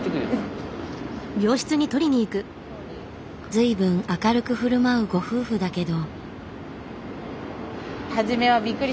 随分明るくふるまうご夫婦だけど。